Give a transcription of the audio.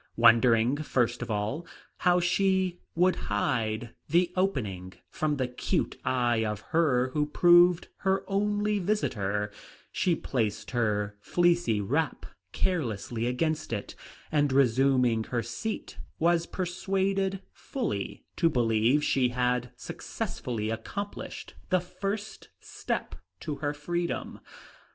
Wondering, first of all, how she would hide the opening from the cute eye of her who proved her only visitor, she placed her fleecy wrap carelessly against it, and resuming her seat, was persuaded fully to believe she had successfully accomplished the first step to her freedom.